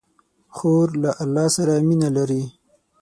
خور له الله سره مینه لري.